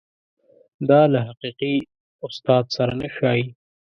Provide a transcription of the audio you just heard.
دا له حقیقي استاد سره نه ښايي.